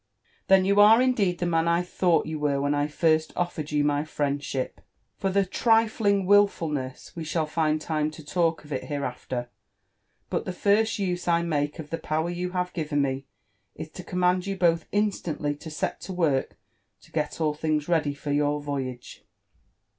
'*Tiien you are indeed the man I thought you were when I first offered you my friendship. For {\\q* trifling wil/ulneaa,' we shall find lime to talk of it hereafter; but the first use I make of the power you have given me is to command you both instantly to set to work to get all things ready for your voyage.